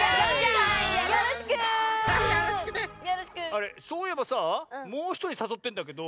あれそういえばさぁもうひとりさそってんだけど。